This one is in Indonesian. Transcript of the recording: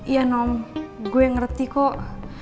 ya nom gue yang ngerti kok